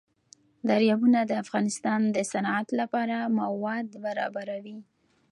دریابونه د افغانستان د صنعت لپاره مواد برابروي.